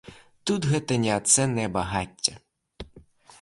Тут гэта неацэннае багацце!